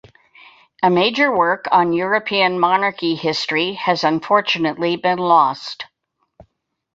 A major work on European monarchy history has unfortunately been lost.